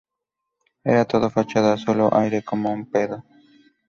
Era todo fachada, solo aire, como un pedo